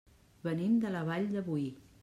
Venim de la Vall de Boí.